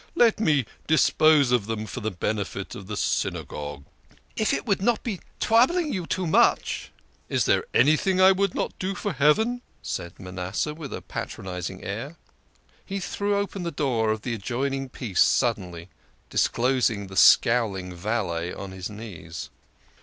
" Let me dispose of them for the benefit of the Synagogue." " If it would not be troubling you too much !" "Is there anything I would not do for Heaven?" said Manasseh with a patronising air. He threw open the door of the adjoining piece suddenly, disclosing the scowling valet on his knees.